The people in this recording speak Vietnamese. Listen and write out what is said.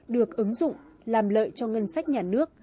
được ứng dụng làm lợi cho ngân sách nhà nước